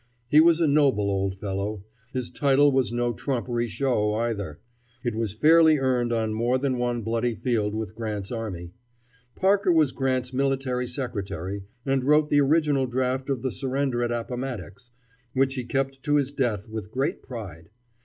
He was a noble old fellow. His title was no trumpery show, either. It was fairly earned on more than one bloody field with Grant's army. Parker was Grant's military secretary, and wrote the original draft of the surrender at Appomattox, which he kept to his death with great pride.